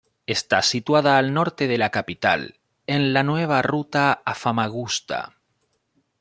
Está situada al norte de la capital, en la nueva ruta a Famagusta.